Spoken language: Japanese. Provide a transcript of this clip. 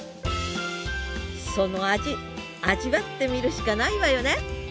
その味味わってみるしかないわよね！